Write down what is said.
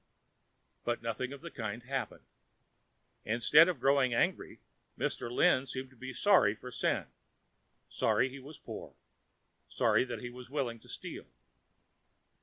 But nothing of the kind happened. Instead of growing angry, Mr. Lin seemed to be sorry for Sen, sorry that he was poor, sorry that he was willing to steal.